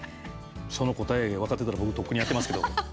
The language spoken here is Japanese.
その答えが分かってたら僕とっくにやってますけど。